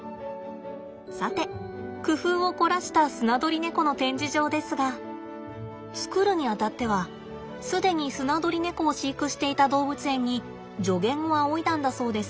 さて工夫を凝らしたスナドリネコの展示場ですが作るにあたっては既にスナドリネコを飼育していた動物園に助言を仰いだんだそうです。